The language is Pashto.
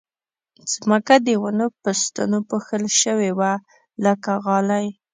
ځمکه د ونو په ستنو پوښل شوې وه لکه غالۍ